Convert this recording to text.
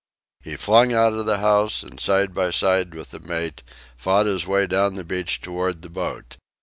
He flung out of the house, and, side by side with the mate, fought his way down the beach toward the boat.